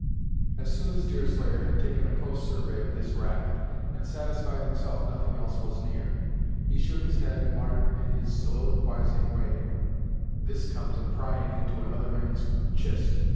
As soon as Deerslayer had taken a close survey of this raft, and satisfied himself nothing else was near, he shook his head and muttered in his soliloquizing way "This comes of prying into another man's chist!